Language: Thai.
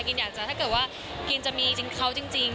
อยากจะถ้าเกิดว่ากินจะมีเขาจริง